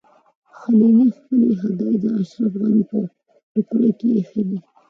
خلیلي خپلې هګۍ د اشرف غني په ټوکرۍ کې ایښي دي.